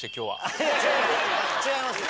違います